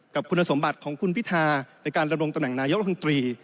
กับคุณสมบัติของคุณพิทาในการระบวงตำแหน่งนายภังตรี